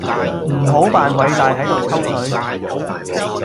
唔好扮偉大喺度抽水